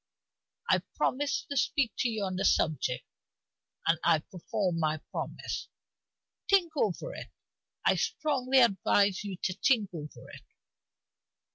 I promised to speak to you on the subject, and I perform my promise. Think over it; I strongly advise you to think over it."